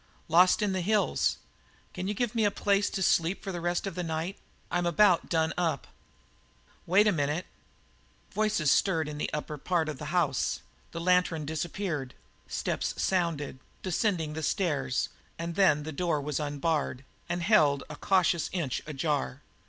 "Lost in the hills. Can you give me a place to sleep for the rest of the night? I'm about done up." "Wait a minute." Voices stirred in the upper part of the house; the lantern disappeared; steps sounded, descending the stairs, and then the door was unbarred and held a cautious inch ajar.